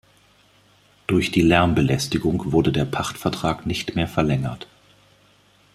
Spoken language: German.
Durch die Lärmbelästigung wurde der Pachtvertrag nicht mehr verlängert.